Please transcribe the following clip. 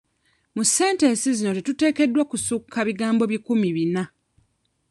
Mu sentensi zino tetuteekeddwa kusukka bigambo bikumi bina.